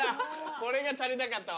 これが足りなかったわ。